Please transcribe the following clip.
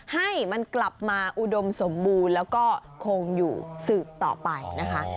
ให้มันกลับมาอุดมสมบูรณ์แล้วก็คงอยู่สืบต่อไปนะคะ